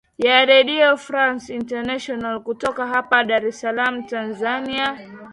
ya redio france international kutoka hapa dar es salam tanzania